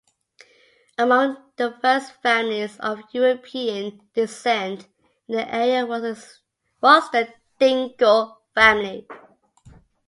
Among the first families of European descent in the area was the Dinkle family.